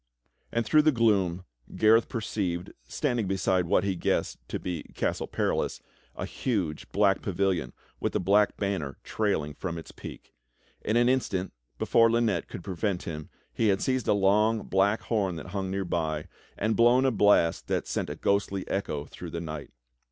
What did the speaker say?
And through the gloom Gareth perceived, standing beside what he guessed to be Gastle Perilous, a huge black pavilion vdth a black banner trailing from its peak. In an instant, before Lynette could prevent him he had seized a long, black horn that hung near by, and i)lown a blast that sent a ghostly echo through the night.